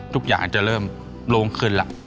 ทุกอย่างจะเริ่มลงขึ้นละ